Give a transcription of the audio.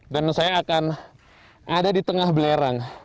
dan saya akan ada di tengah belerang